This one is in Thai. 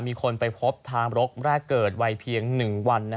มีคนไปพบทางรกแรกเกิดวัยเพียง๑วัน